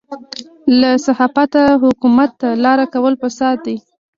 له صحافته حکومت ته لاره کول فساد دی.